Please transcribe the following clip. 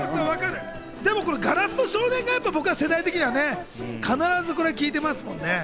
でも『硝子の少年』が世代的には必ず聴いてますもんね。